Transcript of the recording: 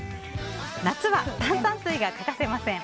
夏は炭酸水が欠かせません。